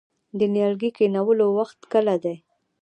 د نیالګي کینولو وخت کله دی؟